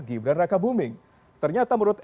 gibran raka buming ternyata menurut